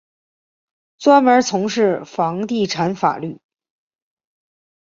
专门从事房地产法律。